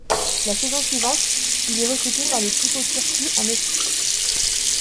La saison suivante, il est recruté par le TuTo Turku en Mestis.